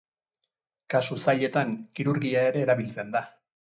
Kasu zailetan kirurgia ere erabiltzen da.